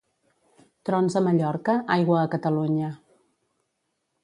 Trons a Mallorca, aigua a Catalunya.